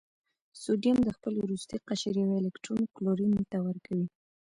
سوډیم د خپل وروستي قشر یو الکترون کلورین ته ورکوي.